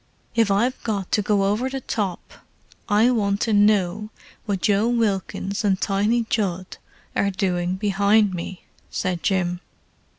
"If I've got to go over the top I want to know what Joe Wilkins and Tiny Judd are doing behind me," said Jim.